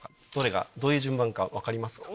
どういう順番か分かりますか？